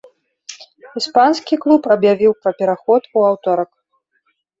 Іспанскі клуб аб'явіў пра пераход у аўторак.